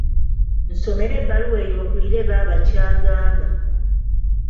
Nsomera ebbaluwa eyo mpulire baaba ky’agamba.